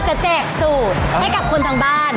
แจกสูตรให้กับคนทางบ้าน